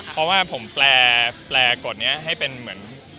ปหมแปว่าผมแปรกรดพอสอนนี้ให้เป็นแบบ